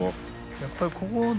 やっぱりここをね